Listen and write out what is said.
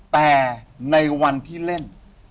แต่ในวันที่เล่น